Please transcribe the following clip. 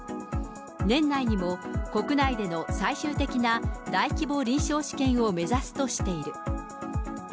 年内にも国内での最終的な大規模臨床試験を目指すとしている。